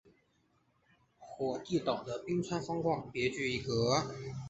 火地岛的冰川风光别具一格。